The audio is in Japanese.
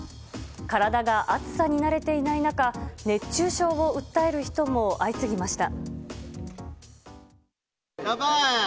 体が暑さに慣れていない中熱中症を訴える人も相次ぎました。